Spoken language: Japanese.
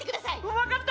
分かった。